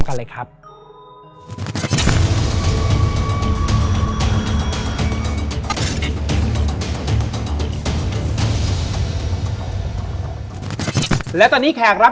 และยินดีต้อนรับทุกท่านเข้าสู่เดือนพฤษภาคมครับ